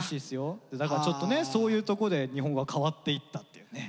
だからちょっとねそういうとこで日本語が変わっていったというね。